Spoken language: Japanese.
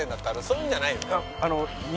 そういうんじゃないの？